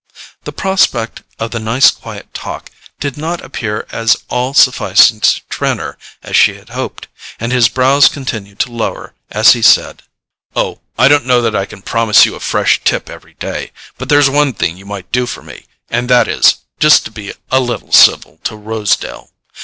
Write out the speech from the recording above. The prospect of the nice quiet talk did not appear as all sufficing to Trenor as she had hoped, and his brows continued to lower as he said: "Oh, I don't know that I can promise you a fresh tip every day. But there's one thing you might do for me; and that is, just to be a little civil to Rosedale.